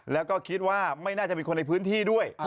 แล้วก็คิดว่าไม่น่าจะเป็นคนในพื้นที่ด้วย